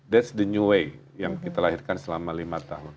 that's the new way yang kita lahirkan selama lima tahun